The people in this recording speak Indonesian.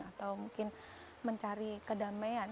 atau mungkin mencari kedamaian